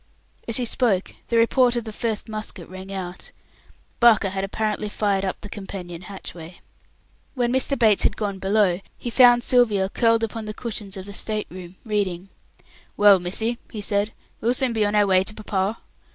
As he spoke the report of the first musket rang out. Barker had apparently fired up the companion hatchway. When Mr. Bates had gone below, he found Sylvia curled upon the cushions of the state room, reading. "Well, missy!" he said, "we'll soon be on our way to papa."